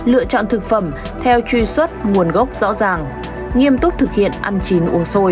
lựa chọn thực phẩm theo truy xuất nguồn gốc rõ ràng nghiêm túc thực hiện ăn chín uống xôi